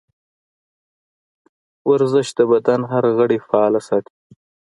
ورزش د بدن هر غړی فعال ساتي.